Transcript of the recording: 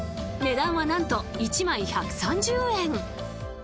値段は何と１枚１３０円！